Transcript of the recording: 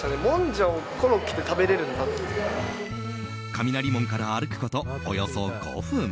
雷門から歩くことおよそ５分。